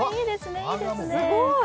すごい。